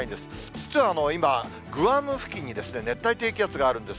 実は今、グアム付近に熱帯低気圧があるんです。